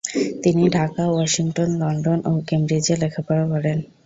তিনি Dhaka, Washington, London ও কেমব্রিজে লেখাপড়া করেন।